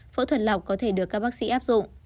phẫu thuật lọc có thể được các bác sĩ áp dụng